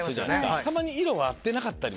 たまに色が合ってなかったり。